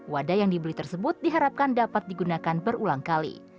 wadah yang dibeli tersebut diharapkan dapat digunakan berulang kali